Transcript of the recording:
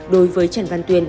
đối với trần văn tuyên